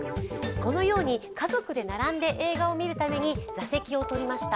このように家族で並んで映画を見るために座席を取りました。